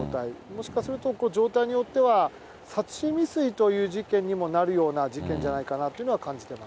もしかすると状態によっては、殺人未遂という事件にもなるような事件じゃないかなというのは感